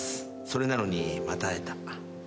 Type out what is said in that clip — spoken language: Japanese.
それなのにまた会えた。